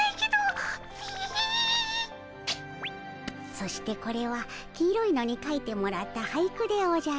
そしてこれは黄色いのにかいてもらった俳句でおじゃる。